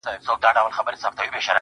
شکر دی گراني چي زما له خاندانه نه يې,